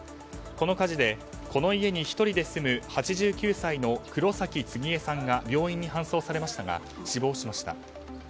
この火事でこの家に１人で住む８９歳の黒崎次江さんが病院に搬送されましたが死亡しました。